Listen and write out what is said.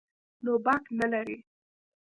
نو باک نه لري.